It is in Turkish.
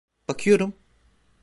Bakıyorum.